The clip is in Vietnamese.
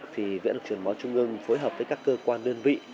thì viện truyền máu trung ương phối hợp với các cơ quan đơn vị